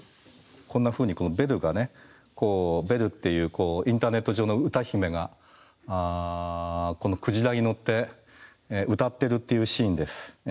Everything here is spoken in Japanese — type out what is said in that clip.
こんなふうにこのベルがねベルっていうインターネット上の歌姫がこのクジラに乗って歌ってるっていうシーンです。